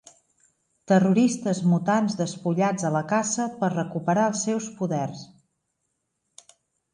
Terroristes mutants despullats a la caça per recuperar els seus poders.